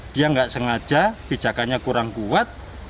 dia nggak sengaja pijakannya kurang kuat